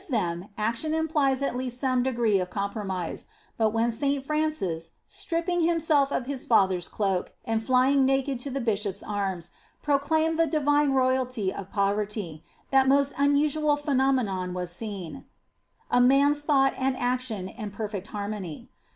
INTRODUCTION xxv them action implies at least some degree of compromise ; but when St. Francis, stripping himself of his father s cloak, and flying naked to the Bishop s arms, proclaimed the divine royalty of poverty, that most unusual pheno menon was seen a man s thought and action in perfect harmony.